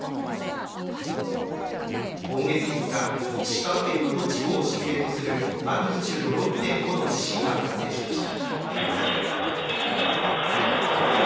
今月５日、石川県能登地方を震源とするマグニチュード６．５の地震が発生しました。